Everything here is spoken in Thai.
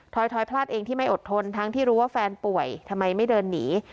พลาดเองที่ไม่อดทนทั้งที่รู้ว่าแฟนป่วยทำไมไม่เดินหนี